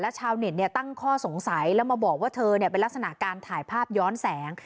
ชาวเน็ตตั้งข้อสงสัยแล้วมาบอกว่าเธอเป็นลักษณะการถ่ายภาพย้อนแสง